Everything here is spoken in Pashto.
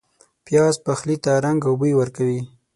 پیاز پخلي ته رنګ او بوی ورکوي